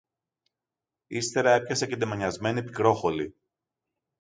Ύστερα έπιασε και τη μανιασμένη Πικρόχολη